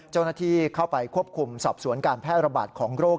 เจ้าหน้าที่เข้าไปควบคุมสอบสวนการแพร่ระบาดของโรค